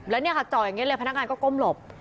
แล้วเนี่ยค่ะจ่ออย่างนี้เลยพนักงานก็ก้มหลบ